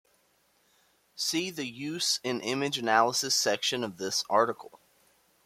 See the Use in image analysis section of this article.